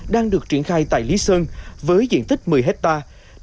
đang được triển khai tại lý sơn với diện tích một mươi hectare